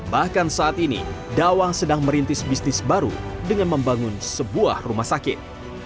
bahkan saat ini dawang sedang merintis bisnis baru dengan membangun sebuah rumah sakit